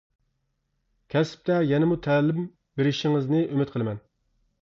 كەسىپتە يەنىمۇ تەلىم بېرىشىڭىزنى ئۈمىد قىلىمەن!